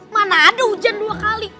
mana ada hujan dua kali